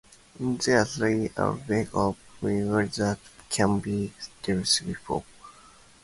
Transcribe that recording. There are three aspects of workload that can be stressful.